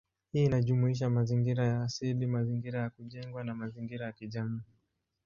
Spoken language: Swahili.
Hii inajumuisha mazingira ya asili, mazingira ya kujengwa, na mazingira ya kijamii.